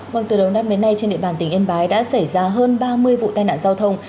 vâng từ đầu năm đến nay trên địa bàn tỉnh yên bái đã xảy ra hơn ba mươi vụ tai nạn giao thông